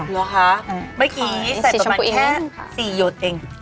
แล้วคะบ้างกี้ใส่ตัวมันแค่๔โยชน์เอง